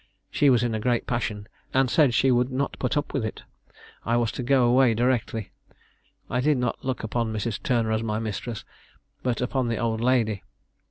She was in a great passion, and said she would not put up with it; I was to go away directly. I did not look upon Mrs. Turner as my mistress, but upon the old lady.